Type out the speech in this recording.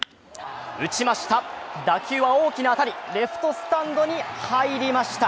打ちました、打球は大きな当たり、レフトスタンドに入りました。